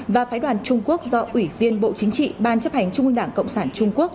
và phái đoàn trung quốc do ủy viên bộ chính trị ban chấp hành trung ương đảng cộng sản trung quốc